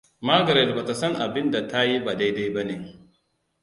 Margret ba ta san abinda ta yi ba dai-dai ba ne.